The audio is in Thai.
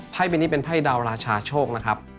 ปีนี้เป็นไพ่ดาวราชาโชคนะครับ